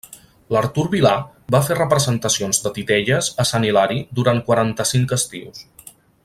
L’Artur Vilà va fer representacions de titelles a Sant Hilari durant quaranta-cinc estius.